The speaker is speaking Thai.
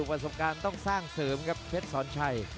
ประสบการณ์ต้องสร้างเสริมครับเพชรสอนชัย